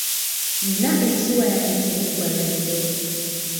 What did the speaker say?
Nnina ensuwa yange temugyamu lwendo.